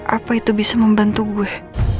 apa itu bisa membantu gue